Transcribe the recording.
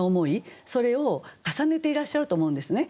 それを重ねていらっしゃると思うんですね。